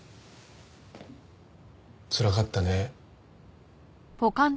つらかったね。